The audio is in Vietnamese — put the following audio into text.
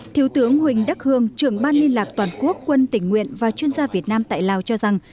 thiếu tướng huỳnh đắc hương trưởng ban liên lạc toàn quốc quân tỉnh nguyện và chuyên gia việt nam tại lào cho rằng